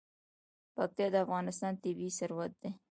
پکتیا د افغانستان طبعي ثروت دی.